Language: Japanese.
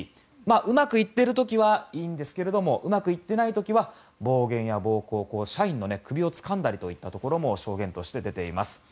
うまくいっている時はいいんですけれどもうまくいっていない時は暴言や暴行社員の首をつかんだというところも証言として出ています。